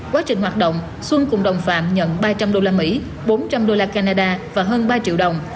quá trình hoạt động xuân cùng đồng phạm nhận ba trăm linh đô la mỹ bốn trăm linh đô la canada và hơn ba triệu đồng